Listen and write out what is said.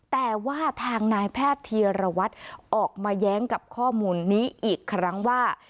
แต่ว่าทางนายแพทย์ธีรวัตรออกมาแย้งกับข้อมูลนี้อีกครั้งว่า